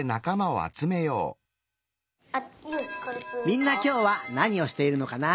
みんなきょうはなにをしているのかな？